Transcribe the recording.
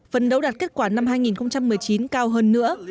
phần đấu đạt kết quả năm hai nghìn một mươi chín cao hơn nữa